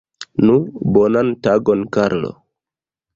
Nu, bonan tagon, Karlo!